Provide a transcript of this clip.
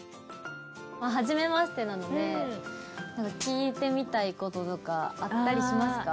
はじめましてなので聞いてみたい事とかあったりしますか？